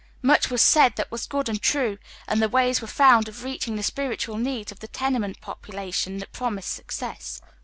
Much was said that was good and true, and ways were found of i eaching the spii'itual needs of the tenement population that promise success.